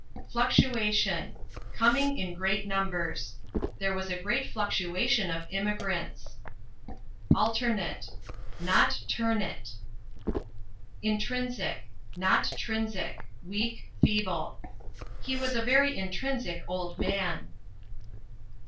Fluctuation Coming in great numbers: There was a great fluctuation of immigrants. Alternate Not ternate. Intrinsic Not trinsic: weak, feeble: He was a very intrinsic old man.